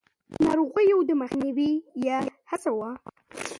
د ناروغيو مخنيوی يې هڅاوه.